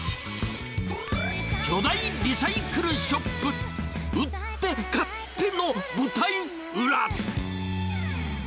巨大リサイクルショップ、売って買っての舞台裏。